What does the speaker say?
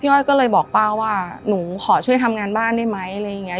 อ้อยก็เลยบอกป้าว่าหนูขอช่วยทำงานบ้านได้ไหมอะไรอย่างนี้